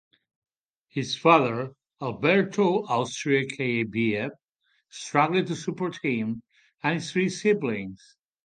His father, Alberto Austria Cayabyab, struggled to support him and his three siblings.